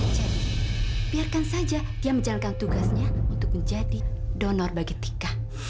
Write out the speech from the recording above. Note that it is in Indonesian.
jadi biarkan saja dia menjalankan tugasnya untuk menjadi donor bagi tika